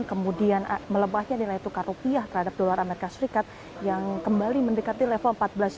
kemudian melebahnya nilai tukar rupiah terhadap dolar as yang kembali mendekati level empat belas